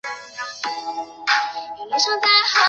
出生于北宁省顺成县。